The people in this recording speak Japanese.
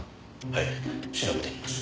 はい調べてみます。